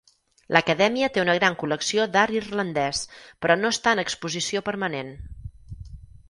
L'Acadèmia té una gran col·lecció d'art irlandès, però no està en exposició permanent.